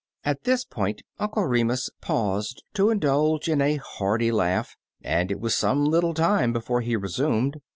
At this point Uncle Remus paused to indulge hi a hearty laugh, and it was some little time before he resumed.